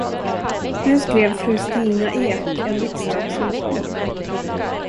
Nu skrev fru Stina Ek en riksdagsmotion.